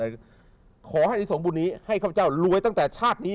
ขอให้อันนี้สงฆ์บุญนี้ให้ข้าพเจ้ารวยตั้งแต่ชาตินี้